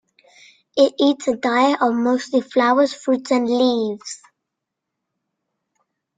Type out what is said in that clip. It eats a diet of mostly flowers, fruits, and leaves.